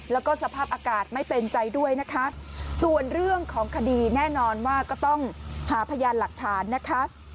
แล้วก็สภาพอากาศไม่เป็นใจด้วยนะคะส่วนเรื่องของคดีแน่นอนว่าก็ต้องหาพยานหลักฐานนะคะ